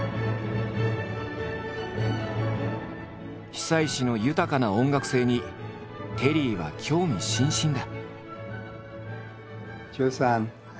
久石の豊かな音楽性にテリーは興味津々だ。